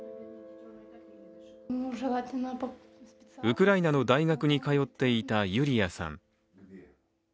ウクライナの大学に通っていたユリアさん。